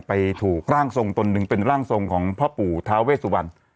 ถูกร่างทรงตนหนึ่งเป็นร่างทรงของพ่อปู่ท้าเวสุวรรณ